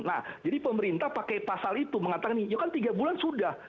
nah jadi pemerintah pakai pasal itu mengatakan ini kan tiga bulan sudah